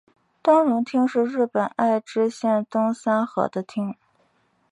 东荣町是日本爱知县东三河的町。